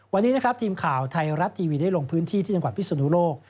วันนี้นะครับทีมข่าวไทยรัฐทีวีได้ลงพื้นที่ที่จังหวัดพิศนุโลก